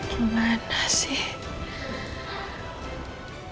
sudah tiga pengacara saya temukan setelah ammar